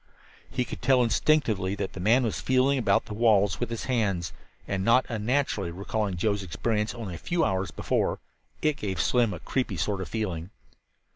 He could tell instinctively that the man was feeling about the walls with his hands. And not unnaturally, recalling Joe's experience only a few hours before, it gave Slim a creepy sort of feeling.